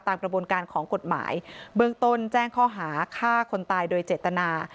กระบวนการของกฎหมายเบื้องต้นแจ้งข้อหาฆ่าคนตายโดยเจตนา